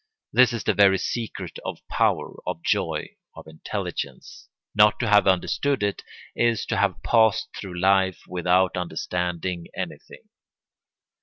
This is the very secret of power, of joy, of intelligence. Not to have understood it is to have passed through life without understanding anything.